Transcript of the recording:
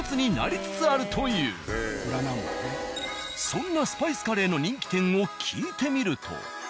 そんなスパイスカレーの人気店を聞いてみると。